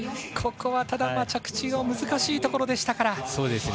ここはただ着地が難しいところでした。